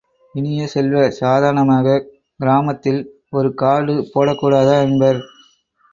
இனிய செல்வ, சாதாரணமாகக் கிராமத்தில் ஒரு கார்டு போடக்கூடாதா? என்பர்.